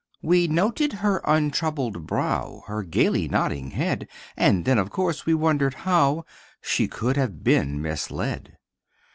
We noted her untroubled brow, Her gayly nodding head, And then, of course, we wondered how She could have been misled.